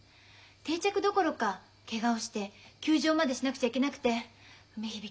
定着どころかケガをして休場までしなくちゃいけなくて梅響